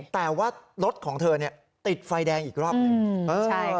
แต่ว่ารถของเธอติดไฟแดงอีกรอบหนึ่ง